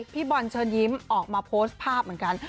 พี่บอลเชิญยิ้มออกมาโพสต์ภาพเหมือนกัน